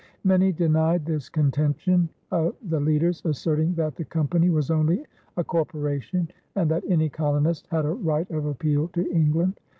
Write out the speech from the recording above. Many denied this contention of the leaders, asserting that the company was only a corporation and that any colonist had a right of appeal to England.